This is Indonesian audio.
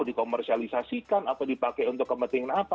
dikomersialisasikan atau dipakai untuk kepentingan apa